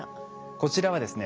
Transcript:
こちらはですね